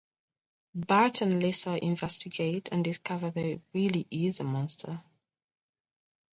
Bart and Lisa investigate, and discover there really is a monster.